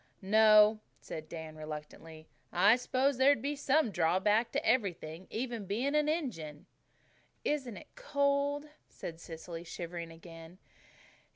"No," said Dan reluctantly. "I suppose there'd be some drawback to everything, even being an Injun." "Isn't it cold?" said Cecily, shivering again.